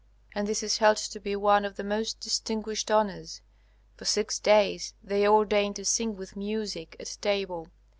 And this is held to be one of the most distinguished honors. For six days they ordain to sing with music at table.